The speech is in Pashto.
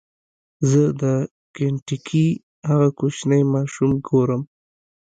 زه د کینټکي هغه کوچنی ماشوم ګورم.